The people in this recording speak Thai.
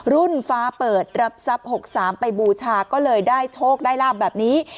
ฟ้าเปิดรับทรัพย์๖๓ไปบูชาก็เลยได้โชคได้ลาบแบบนี้